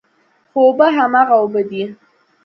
خو اوبه هماغه اوبه دي.